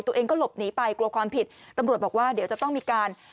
ตัวเองก็หลบหนีไปกลัวความผิดตำรวจบอกว่าเดี๋ยวจะต้องมีการ